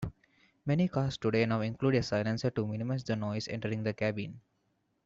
Many cars today now include a silencer to minimize the noise entering the cabin.